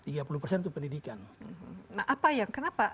itu pendidikan nah apa ya kenapa